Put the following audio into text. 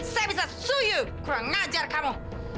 saya bisa suyu kurang ajar kamu